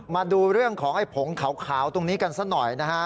มาดูเรื่องของไอ้ผงขาวตรงนี้กันซะหน่อยนะฮะ